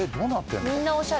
みんなおしゃれ。